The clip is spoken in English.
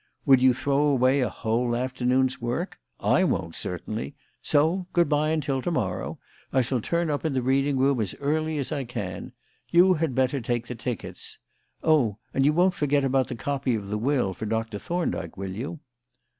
"Would you throw away a whole afternoon's work? I won't, certainly; so, good bye until to morrow. I shall turn up in the reading room as early as I can. You had better take the tickets. Oh, and you won't forget about the copy of the will for Doctor Thorndyke, will you?"